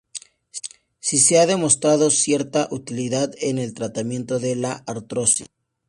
Si se ha demostrado cierta utilidad en el tratamiento de la artrosis.